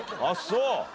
あっそう。